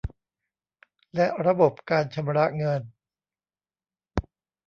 และระบบการชำระเงิน